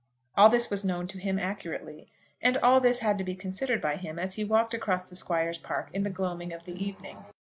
All this was known to him accurately, and all this had to be considered by him as he walked across the squire's park in the gloaming of the evening.